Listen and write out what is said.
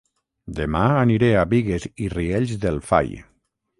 Dema aniré a Bigues i Riells del Fai